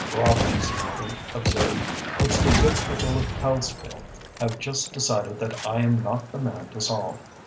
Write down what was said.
"Problems," he observed, "which the good people of Hellesfield have just decided that I am not the man to solve."